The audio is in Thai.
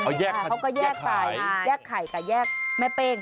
แยกเขาก็แยกไปแยกไข่กับแยกแม่เป้ง